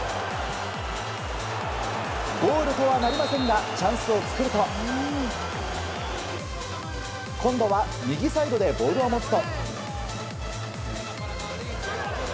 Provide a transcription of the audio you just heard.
ゴールとはなりませんがチャンスを作ると今度は右サイドでボールを持つと。